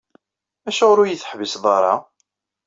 Acuɣer ur iyi-teḥbiseḍ ara?